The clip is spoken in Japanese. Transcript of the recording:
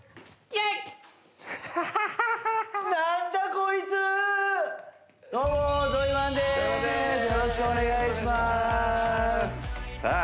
よろしくお願いしますさあ